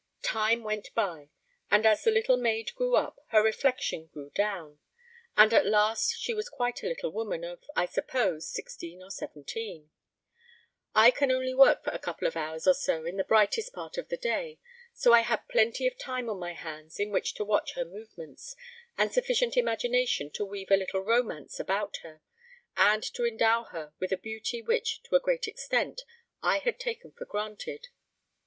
Time went by, and as the little maid grew up, her reflection grew down, and at last she was quite a little woman of, I suppose, sixteen or seventeen. I can only work for a couple of hours or so in the brightest part of the day, so I had plenty of time on my hands in which to watch her movements, and sufficient imagination to weave a little romance about her, and to endow her with a beauty which, to a great extent, I had to take for granted.